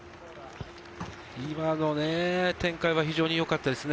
今の展開、非常によかったですね。